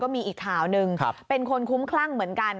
มีอีกข่าวหนึ่งเป็นคนคุ้มคลั่งเหมือนกัน